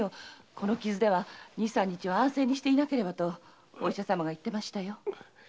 この傷では二・三日は安静にとお医者様が言ってましたよ。